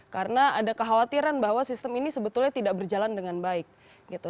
karena ada kekhawatiran bahwa sistem ini sebetulnya tidak berjalan dengan baik gitu